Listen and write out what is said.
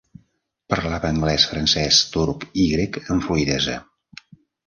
Parlava anglès, francès, turc i grec amb fluïdesa.